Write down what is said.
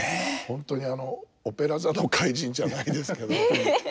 本当にあの「オペラ座の怪人」じゃないですけど。え。